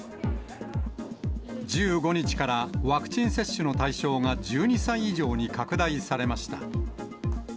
１５日からワクチン接種の対象が１２歳以上に拡大されました。